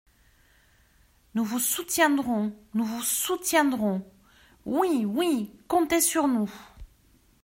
»Nous vous soutiendrons ! nous vous soutiendrons ! »Oui ! oui ! comptez sur nous.